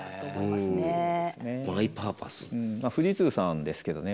まあ富士通さんですけどね。